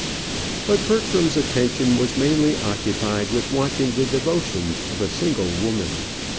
But Bertram's attention was mainly occupied with watching the devotions of a single woman.